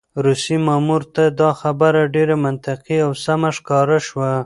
روسي مامور ته دا خبره ډېره منطقي او سمه ښکاره شوه.